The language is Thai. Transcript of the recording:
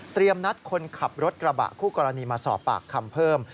นัดคนขับรถกระบะคู่กรณีมาสอบปากคำเพิ่ม